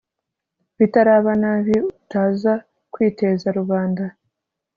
bitaraba nabi utaza kwiteza rubanda